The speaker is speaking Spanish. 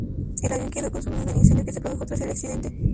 El avión quedó consumido en el incendio que se produjo tras el accidente.